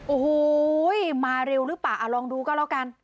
โอ้โหมาเร็วหรือเปล่าลองดูก็แล้วกัน